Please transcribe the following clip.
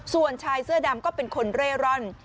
ส่วนชายเสื้อดำก็เป็นคนเร่ร่อน